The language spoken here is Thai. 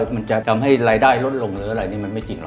มันจะทำให้รายได้ลดลงหรืออะไรนี่มันไม่จริงหรอ